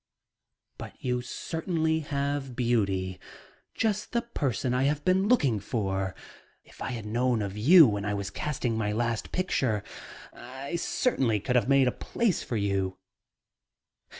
"But you certainly have beauty. Just the person I have been looking for. If I had known of you when I was casting my last picture, I certainly could have made a place for you."